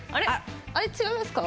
あれ違いますか？